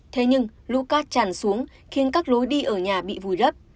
thế nhưng lũ cát tràn xuống khiến các lối đi ở nhà bị vùi lấp